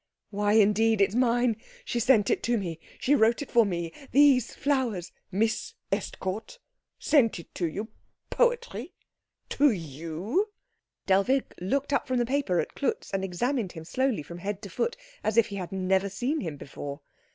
"Why indeed! It's mine. She sent it to me. She wrote it for me. These flowers " "Miss Estcourt? Sent it to you? Poetry? To you?" Dellwig looked up from the paper at Klutz, and examined him slowly from head to foot as if he had never seen him before.